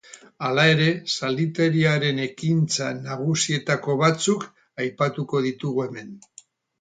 Halere, zalditeriaren ekintza nagusietako batzuk aipatuko ditugu hemen.